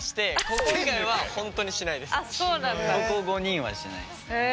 ここ５人はしないですね。